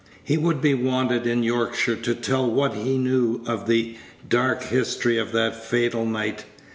He would be wanted in Yorkshire to tell what he knew of the dark history of that fatal night.